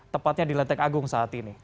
tepatnya di lenteng agung saat ini